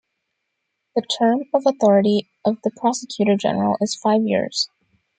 The term of authority of the Prosecutor General is five years.